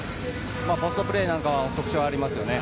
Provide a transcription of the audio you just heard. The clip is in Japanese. ポストプレーなんかは特徴ありますよね。